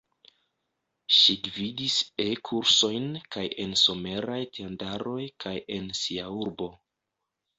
Ŝi gvidis E-kursojn kaj en someraj tendaroj kaj en sia urbo.